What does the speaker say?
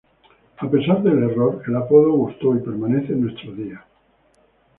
A pesar del error, el apodo gustó, y permanece en nuestros días.